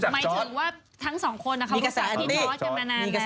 หมายถึงว่าทั้งสองคนเขาก็รักพี่ท้อกันมานานแล้ว